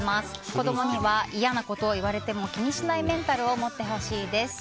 子供には嫌なことを言われても気にしないメンタルを持ってほしいです。